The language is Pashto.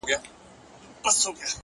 • سوله پورته پر نيژدې توره ډبره ,